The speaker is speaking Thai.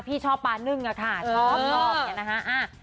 พี่ชอบปลานึ่งอ่ะค่ะชอบ